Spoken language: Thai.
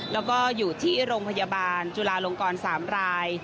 แล้วก็อยู่ที่โรงพยาบาลจุลาลงกร๓ราย